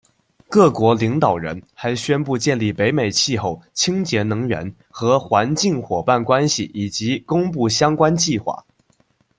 各国领导人还宣布建立北美气候、清洁能源和环境伙伴关系以及公布相关计划。